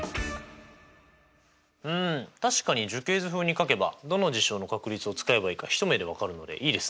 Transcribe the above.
うん確かに樹形図風に書けばどの事象の確率を使えばいいか一目で分かるのでいいですね。